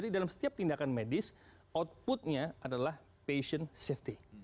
dalam setiap tindakan medis outputnya adalah patient safety